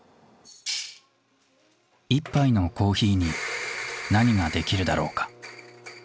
１杯のコーヒーに何ができるだろうか。